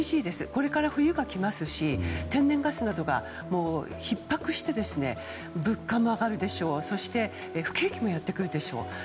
これから冬が来ますし天然ガスなどがひっ迫して物価も上がるでしょうそして不景気もやってくるでしょう。